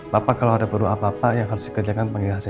bapak kalau ada perlu apa apa yang harus dikerjakan panggil aja saya